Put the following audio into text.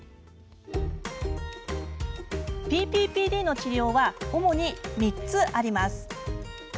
ＰＰＰＤの治療は主に３つあります。